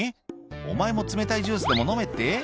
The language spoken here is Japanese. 『お前も冷たいジュースでも飲め』って？」